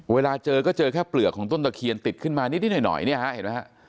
เวลาเจอก็เจอแค่เปลือกของต้นตะเคียนติดขึ้นมานิดหน่อยเนี่ยฮะเห็นไหมฮะ